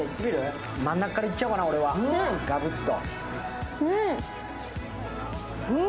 真ん中からいっちゃうおうかな、俺は、ガブッと。